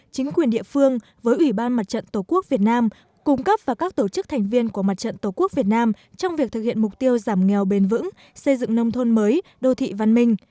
chính quyền địa phương với ủy ban mặt trận tổ quốc việt nam cung cấp và các tổ chức thành viên của mặt trận tổ quốc việt nam trong việc thực hiện mục tiêu giảm nghèo bền vững xây dựng nông thôn mới đô thị văn minh